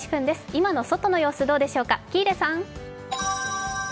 今の外の様子どうでしょうか、喜入さん。